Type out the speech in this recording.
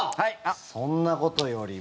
そんなことよりも。